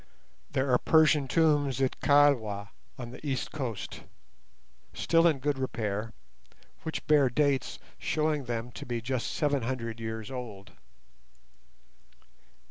There are Persian tombs at Kilwa, on the east coast, still in good repair, which bear dates showing them to be just seven hundred years old.